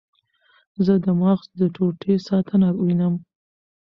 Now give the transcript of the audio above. زه د مغز د ټوټې ساتنه وینم.